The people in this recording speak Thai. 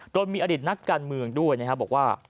โดยมีอดิตนักการเมืองด้วยนะครับบอกว่า